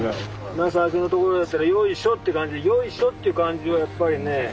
なあ最初の所だったらよいしょって感じでよいしょっていう感じはやっぱりね